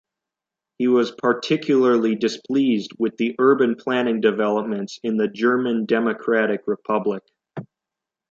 He was particularly displeased with the urban planning developments in the German Democratic Republic.